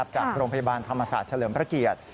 จากโรงพยาบาลธรรมศาสตร์เฉลิมพระเกียรติ